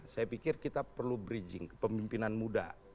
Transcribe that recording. saya pikir kita perlu bridging kepemimpinan muda